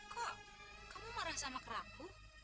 kok kamu marah sama kera aku